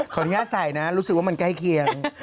อนุญาตใส่นะรู้สึกว่ามันใกล้เคียง